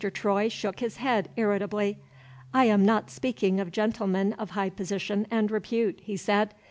Troy shook his head irritably. "I am not speaking of gentlemen of high position and repute," he said.